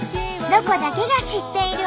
「ロコだけが知っている」。